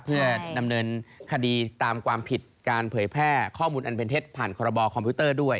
เพื่อดำเนินคดีตามความผิดการเผยแพร่ข้อมูลอันเป็นเท็จผ่านคอรบคอมพิวเตอร์ด้วย